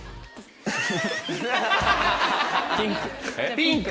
ピンク！